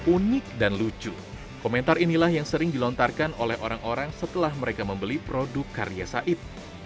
unik dan lucu komentar inilah yang sering dilontarkan oleh orang orang setelah mereka membeli produk karya said